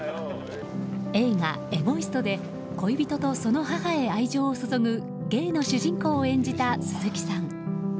映画「エゴイスト」で恋人と、その母へ愛情を注ぐゲイの主人公を演じた鈴木さん。